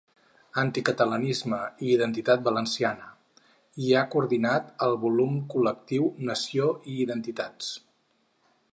Anticatalanisme i identitat valenciana’ i ha coordinat el volum col·lectiu ‘Nació i identitats.